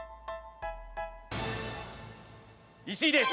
１位です！